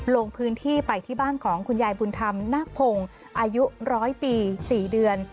ลงพื้นที่ไปที่บ้านของคุณยายบุญธรรมนาคพงศ์อายุ๑๐๐ปี๔เดือน